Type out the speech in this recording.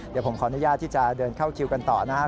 เดี๋ยวผมขออนุญาตที่จะเดินเข้าคิวกันต่อนะครับ